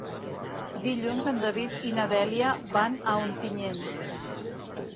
Dilluns en David i na Dèlia van a Ontinyent.